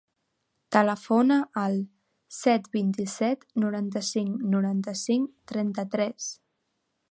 Telefona al set, vint-i-set, noranta-cinc, noranta-cinc, trenta-tres.